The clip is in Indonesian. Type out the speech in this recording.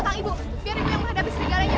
biar ibu yang menghadapi serigalanya